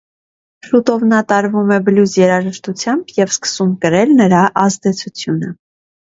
Շուտով նա տարվում է բլյուզ երաժշտությամբ և սկսում կրել նրա ազդեցությունը։